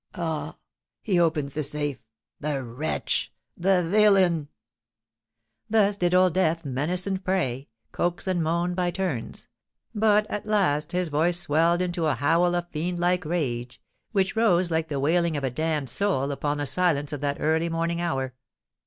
Ah! he opens the safe—the wretch—the villain!" Thus did Old Death menace and pray—coax and moan by turns; but at last his voice swelled into a howl of fiend like rage, which rose like the wailing of a damned soul upon the silence of that early morning hour.